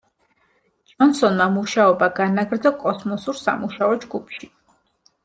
ჯონსონმა მუშაობა განაგრძო კოსმოსურ სამუშაო ჯგუფში.